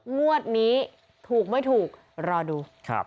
งวดนี้ถูกไม่ถูกรอดู